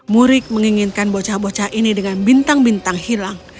murik menginginkan bocah bocah ini dengan bintang bintang hilang